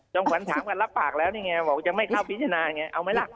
จองขวัญถามกันรับปากแล้วบอกว่าจะไม่เข้าพิจารณาไงเอาไหมล่ะ